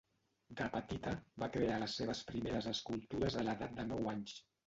De petita, va crear les seves primeres escultures a l'edat de nou anys.